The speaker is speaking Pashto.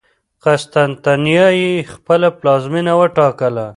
قسطنطنیه یې خپله پلازمېنه وټاکله.